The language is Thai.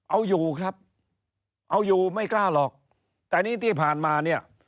เอาอยู่ครับเอาอยู่ไม่กล้าหรอกแต่นี้ที่ผ่านมาเนี่ย